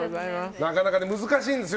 なかなか難しいんですよ